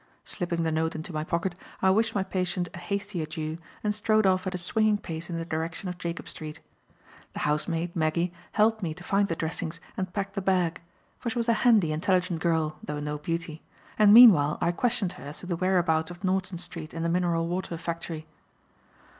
Slipping the note into my pocket, I wished my patient a hasty adieu and strode off at a swinging pace in the direction of Jacob Street. The housemaid, Maggie, helped me to find the dressings and pack the bag for she was a handy, intelligent girl though no beauty; and meanwhile I questioned her as to the whereabouts of Norton Street and the mineral water factory.